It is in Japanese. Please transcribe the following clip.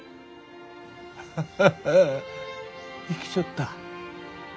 ハハハハ生きちょった。